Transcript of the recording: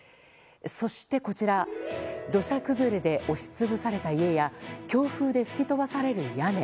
そして、こちら土砂崩れで押し潰された家や強風で吹き飛ばされる屋根。